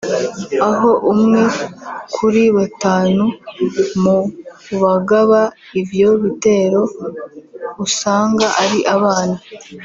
aho umwe kuri batanu mu bagaba ivyo bitero usanga ari abana